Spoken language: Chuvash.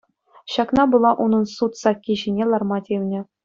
Ҫакна пула унӑн суд сакки ҫине ларма тивнӗ.